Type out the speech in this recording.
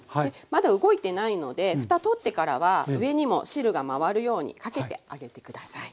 まだ動いてないのでふた取ってからは上にも汁が回るようにかけてあげて下さい。